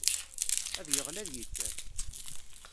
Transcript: Ad yeɣli ad yekker.